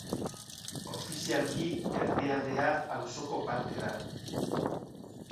Ofizialki, Erdialdea auzoko parte da.